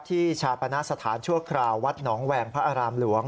ชาปณะสถานชั่วคราววัดหนองแหวงพระอารามหลวง